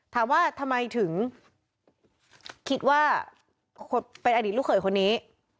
ถามว่าทำไมถึงคิดว่าเป็นอดีตลูกเขยคนนี้